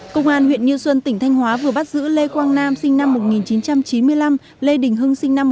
công an huyện như xuân tỉnh thanh hóa vừa bắt giữ lê quang nam sinh năm một nghìn chín trăm chín mươi năm lê đình hưng sinh